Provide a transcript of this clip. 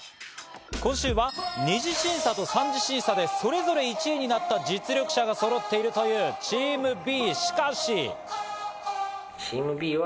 今週は２次審査と３次審査でそれぞれ１位になった実力者がそろっているというチームＢ。